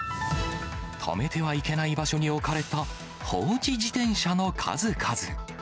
止めてはいけない場所に置かれた放置自転車の数々。